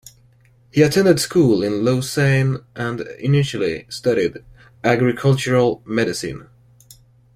He attended school in Lausanne, and initially studied agricultural medicine.